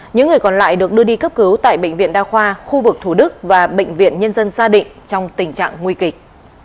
những người còn lại được đưa đi cấp cứu tại bệnh viện đa khoa khu vực thủ đức và bệnh viện nhân dân sa định trong tình trạng nguy kịch